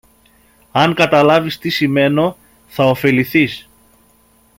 Αν καταλάβεις τι σημαίνω, θα ωφεληθείς